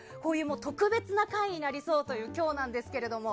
特別な回になりそうという今日なんですけれども。